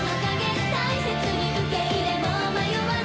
「大切に受け入れ